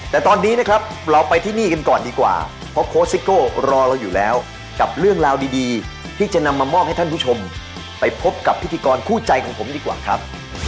แต่ตอนนี้นะครับเราไปที่นี่กันก่อนดีกว่าเพราะโค้ชซิโก้รอเราอยู่แล้วกับเรื่องราวดีที่จะนำมามอบให้ท่านผู้ชมไปพบกับพิธีกรคู่ใจของผมดีกว่าครับ